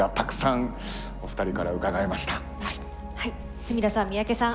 はい住田さん三宅さん